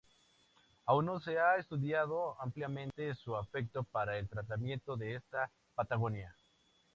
Aún no se ha estudiado ampliamente su efecto para el tratamiento de esta patología.